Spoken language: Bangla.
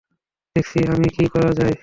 দেখছি আমি কী করা যায়।